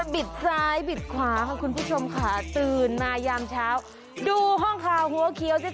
บิดซ้ายบิดขวาค่ะคุณผู้ชมค่ะตื่นมายามเช้าดูห้องข่าวหัวเขียวสิ